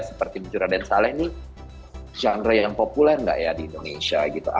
seperti mencuraden saleh ini genre yang populer nggak ya di indonesia gitu